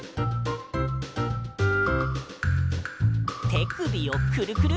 てくびをクルクル。